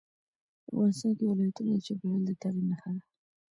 افغانستان کې ولایتونه د چاپېریال د تغیر نښه ده.